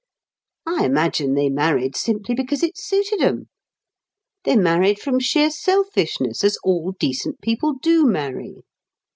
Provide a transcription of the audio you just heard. I imagine they married simply because it suited 'em. They married from sheer selfishness, as all decent people do marry.